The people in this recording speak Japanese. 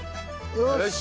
よし。